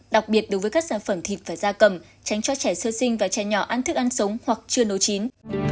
đặc biệt đối với các sản phẩm thịt và da cầm tránh cho trẻ sơ sinh và trẻ nhỏ ăn thức ăn sống hoặc chưa nấu chín